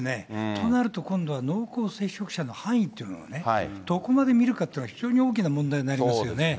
となると今度は、濃厚接触者の範囲っていうのもね、どこまで見るかっていうのも非常に大きな問題になりますよね。